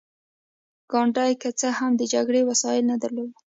ګاندي که څه هم د جګړې وسايل نه درلودل.